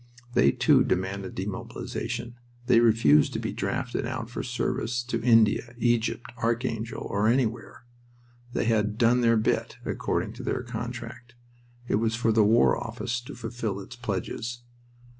They, too, demanded demobilization. They refused to be drafted out for service to India, Egypt, Archangel, or anywhere. They had "done their bit," according to their contract. It was for the War Office to fulfil its pledges.